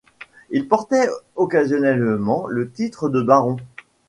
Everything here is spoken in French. Il portait occasionnellement le titre de baron.